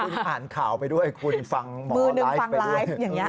คุณอ่านข่าวไปด้วยคุณฟังหมอไลฟ์ไปด้วย